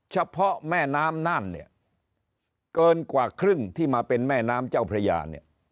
เฉพาะแม่น้ำน่านเนี่ยเกินกว่าครึ่งที่มาเป็นแม่น้ำเจ้าพระยาเนี่ย